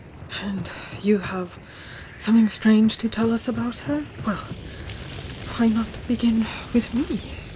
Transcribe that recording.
And you have something strange to tell us about her?— well, why not begin with me?"